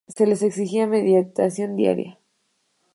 Se les exige la meditación diaria.